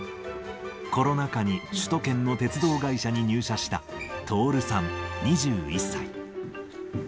コロナ禍に首都圏の鉄道会社に入社したトオルさん２１歳。